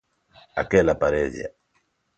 Aquela parella.